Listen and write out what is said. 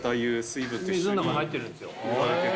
水の中入ってるんですよ。